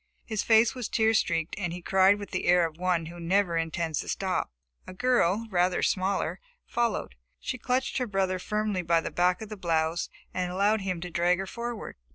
His face was tear streaked, and he cried with the air of one who never intends to stop. A girl, rather smaller, followed. She clutched her brother firmly by the back of the blouse and allowed him to drag her forward.